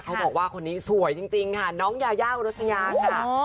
เขาบอกว่าคนนี้สวยจริงค่ะน้องยายาอุรัสยาค่ะ